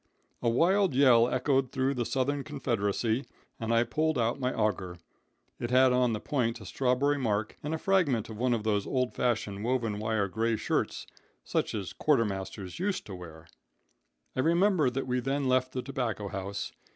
A wild yell echoed through the southern confederacy, and I pulled out my auger. It had on the point a strawberry mark, and a fragment of one of those old fashioned woven wire gray shirts, such as quartermasters used to wear. "I remember that we then left the tobacco house.